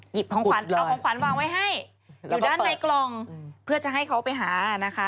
เอาของขวัญวางไว้ให้อยู่ด้านในกล่องเพื่อจะให้เขาไปหานะคะ